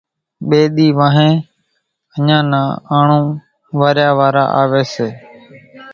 ٻيَ ۮِي وانۿين اين نون آنڻون واريا واران آويَ سي۔